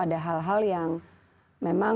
merayana rpd untuk anak ukraine